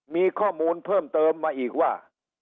มีข้อมูลเพิ่มเติมมาอีกว่า